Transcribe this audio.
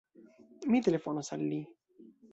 Mi telefonos al li.